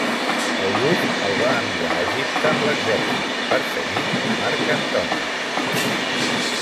August el va enviar a Egipte amb l'exèrcit, perseguint a Marc Antoni.